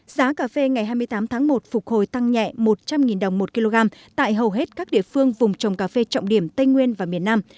giá cà phê ngày hai mươi tám tháng một phục hồi tăng nhẹ một trăm linh đồng một kg tại hầu hết các địa phương vùng trồng cà phê trọng điểm tây nguyên và miền nam